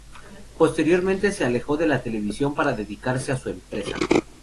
Posteriormente se alejó de la televisión para dedicarse a su empresa.